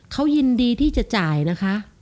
เขายินดีที่จะจ่ายนะคะ